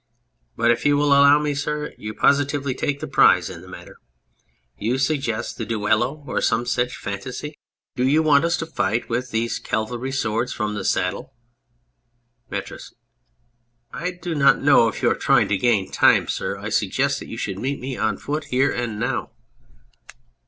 But if you will allow me, sir, you positively take the prize in the matter ! You suggest the duello or some such phantasy. Do 223 On Anything you want us to fight with these cavalry swords from the saddle ? METRIS. I do not know if you are trying to gain time, sir. I suggest that you should meet me on foot here and now.